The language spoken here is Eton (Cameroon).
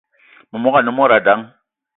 Memogo ane mod dang